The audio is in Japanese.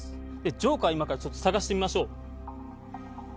ジョーカー、今からちょっと探してみましょう。